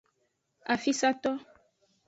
Afisato.